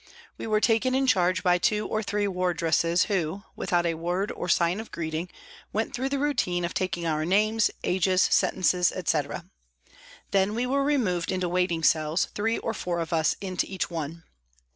We were taken in charge by two or three wardresses who, without a word or sign of greeting, went through the routine of taking our names, ages, sentences, etc. Then we were removed into waiting cells, three or four of us to each one.